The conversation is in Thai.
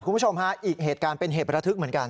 คุณผู้ชมฮะอีกเหตุการณ์เป็นเหตุประทึกเหมือนกัน